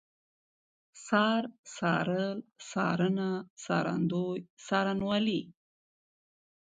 څار، څارل، څارنه، څارندوی، څارنوالي